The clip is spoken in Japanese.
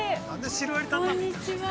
こんにちは。